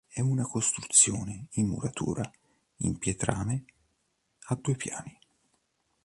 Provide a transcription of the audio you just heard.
È una costruzione in muratura in pietrame, a due piani.